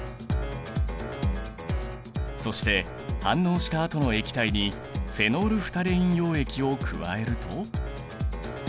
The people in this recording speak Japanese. そして反応したあとの液体にフェノールフタレイン溶液を加えると。